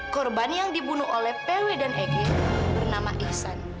korban yang dibunuh oleh pw dan eg bernama ihsan